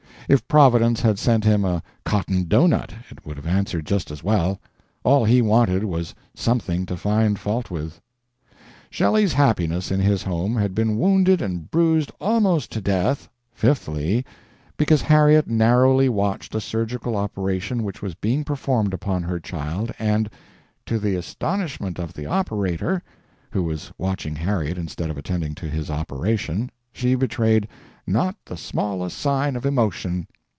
If Providence had sent him a cotton doughnut it would have answered just as well; all he wanted was something to find fault with. Shelley's happiness in his home had been wounded and bruised almost to death, fifthly, because Harriet narrowly watched a surgical operation which was being performed upon her child, and, "to the astonishment of the operator," who was watching Harriet instead of attending to his operation, she betrayed "not the smallest sign of emotion."